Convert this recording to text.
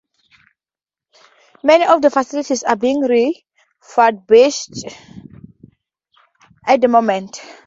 Many of the facilities are being refurbished at the moment.